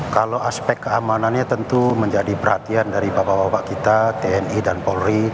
kalau aspek keamanannya tentu menjadi perhatian dari bapak bapak kita tni dan polri